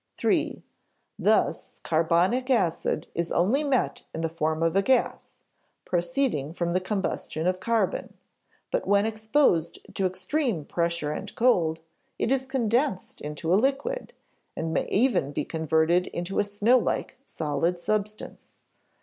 (iii) "Thus carbonic acid is only met in the form of a gas, proceeding from the combustion of carbon; but when exposed to extreme pressure and cold, it is condensed into a liquid, and may even be converted into a snowlike solid substance.